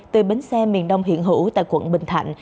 từ bến xe miền đông hiện hữu tại quận bình thạnh